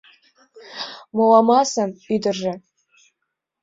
Моламасын ӱдыржӧ